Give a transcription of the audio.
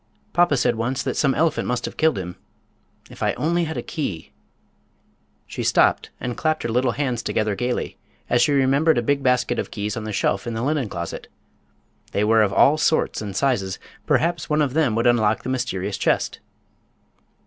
"Papa said once that some elephant must have killed him. If I only had a key—" She stopped and clapped her little hands together gayly as she remembered a big basket of keys on the shelf in the linen closet. They were of all sorts and sizes; perhaps one of them would unlock the mysterious chest!